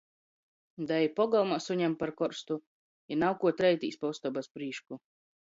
Da i pogolmā suņam par korstu. I nav kuo treitīs pa ustobys prīšku.